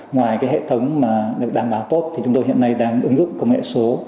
ngoài cái hệ thống mà được đảm bảo tốt thì chúng tôi hiện nay đang ứng dụng công nghệ số